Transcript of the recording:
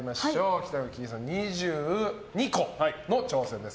北乃きいさん、２２個の挑戦です。